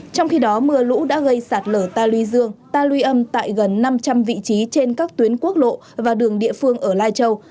trong khi đó mưa lũ đã gây sạt lở ta luy dương ta luy âm tại gần năm trăm linh vị trí trên các tuyến quốc lộ và đường địa phương ở lai châu